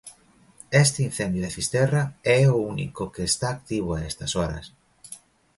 Este incendio de Fisterra é o único que está activo a estas horas.